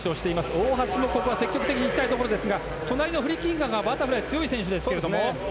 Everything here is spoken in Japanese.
大橋もここは積極的にいきたいところですが隣のフリッキンガーがバタフライ強い選手ですが。